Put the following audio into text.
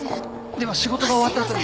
では仕事が終わった後に。